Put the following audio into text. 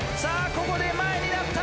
ここで前になった。